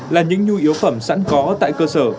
là những nhu yếu phẩm sẵn có tại cơ sở